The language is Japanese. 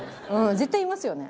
絶対言いますよね。